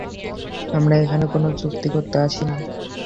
আমরা এখানে কোনো চুক্তি করতে আসিনি।